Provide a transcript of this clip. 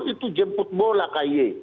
itu jemput bola ky